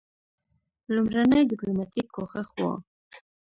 لومړنی ډیپلوماټیک کوښښ وو.